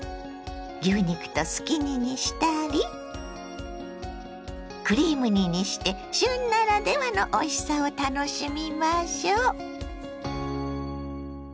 牛肉とすき煮にしたりクリーム煮にして旬ならではのおいしさを楽しみましょ。